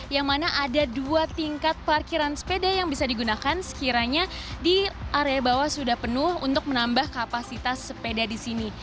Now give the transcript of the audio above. yang mana ada dua tingkat parkiran sepeda yang bisa digunakan sekiranya di area bawah sudah penuh untuk menambah kapasitas sepeda di sini